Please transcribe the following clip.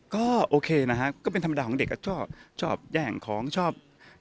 ก็โอเคนะฮะก็เป็นธรรมดาของเด็กก็ชอบชอบแย่งของชอบ